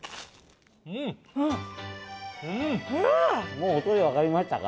もう音で分かりましたか？